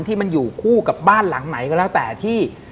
ที่มันอยู่คู่กับบ้านหลังไหนก็แล้วแต่ที่